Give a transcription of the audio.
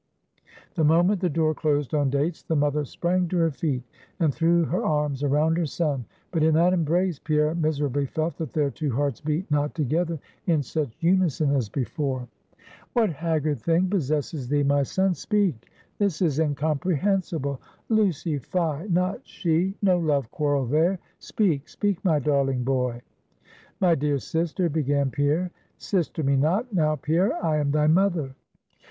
The moment the door closed on Dates, the mother sprang to her feet, and threw her arms around her son; but in that embrace, Pierre miserably felt that their two hearts beat not together in such unison as before. 'What haggard thing possesses thee, my son? Speak, this is incomprehensible! Lucy; fie! not she? no love quarrel there; speak, speak, my darling boy! 'My dear sister,' began Pierre. 'Sister me not, now, Pierre; I am thy mother.'